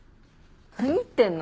何言ってんの？